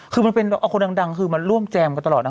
คือมันเป็นเอาคนดังคือมาร่วมแจมกันตลอดนะ